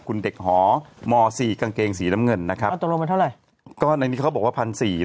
พ่อหนุ่มรบกวนเนี่ยมาราคา๔กางเกงสีน้ำเงิน